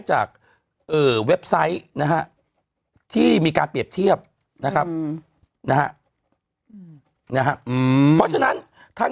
เว็บไซต์นะฮะที่มีการเปรียบเทียบนะครับนะฮะเพราะฉะนั้นทาง